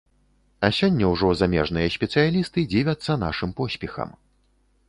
А сёння ўжо замежныя спецыялісты дзівяцца нашым поспехам.